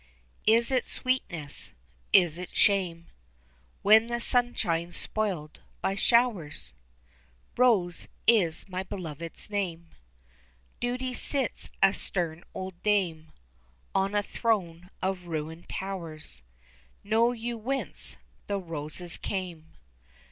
Is it sweetness is it shame When the sunshine's spoiled by showers? Rose is my beloved's name. Duty sits a stern old dame On a throne of ruined towers; Know you whence the roses came?